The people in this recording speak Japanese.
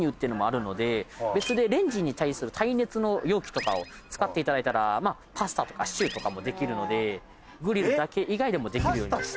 別でレンジに対する耐熱の容器とかを使っていただいたらパスタとかシチューとかもできるのでグリルだけ以外でも。